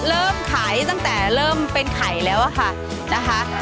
เริ่มขายตั้งแต่เริ่มเป็นไข่แล้วค่ะนะคะ